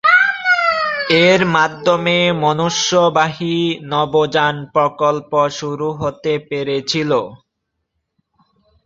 এর মাধ্যমে মনুষ্যবাহী নভোযান প্রকল্প শুরু হতে পেরেছিল।